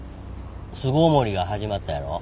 巣ごもりが始まったやろ？